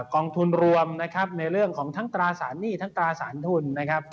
กองทุนรวมในเรื่องของทั้งตราสารหนี้ทั้งตราสารทุน